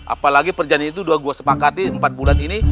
apalagi perjanjian itu dua gua sepakati empat bulan ini